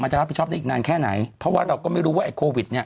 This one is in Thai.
จะรับผิดชอบได้อีกนานแค่ไหนเพราะว่าเราก็ไม่รู้ว่าไอ้โควิดเนี่ย